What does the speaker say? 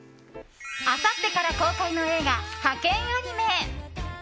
あさってから公開の映画「ハケンアニメ！」。